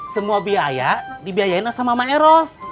semua biaya dibiayain sama mama eros